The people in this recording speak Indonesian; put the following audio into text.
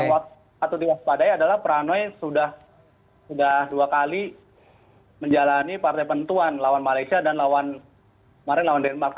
yang waktu tiba tiba padai adalah pranoy sudah dua kali menjalani partai pentuan lawan malaysia dan lawan denmark